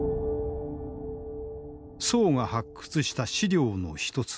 宋が発掘した資料の一つ